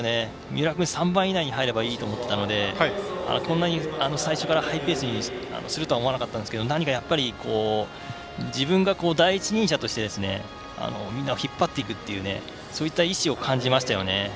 三浦君、３番以内に入ればいいと思っていたのでこんなに最初からハイペースにすると思わなかったんですが何か、やっぱり自分が第一人者としてみんなを引っ張っていくっていうそういった意思を感じましたよね。